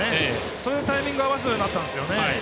そういうタイミングを合わせるようになったんですね。